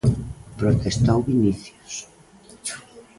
Protestou Vinicius.